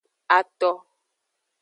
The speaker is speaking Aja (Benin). Ato.